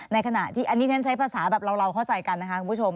ในขณะที่อันนี้ฉันใช้ภาษาแบบเราเข้าใจกันนะคะคุณผู้ชม